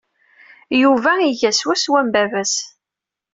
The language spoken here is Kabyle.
Yuba iga swaswa am baba-s.